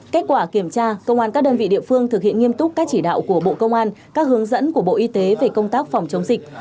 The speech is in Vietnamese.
kết quả kiểm tra công an các đơn vị địa phương thực hiện nghiêm túc các chỉ đạo của bộ công an các hướng dẫn của bộ y tế về công tác phòng chống dịch